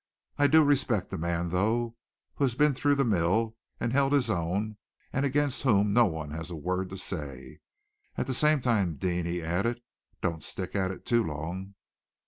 I do respect a man, though, who has been through the mill and held his own, and against whom no one has a word to say. At the same time, Deane," he added, "don't stick at it too long.